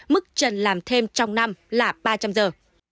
mức trần làm thêm trong năm là ba trăm linh giờ